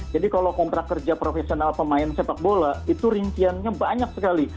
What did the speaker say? jadi kalau kontrak kerja profesional pemain sepak bola itu rinciannya banyak sekali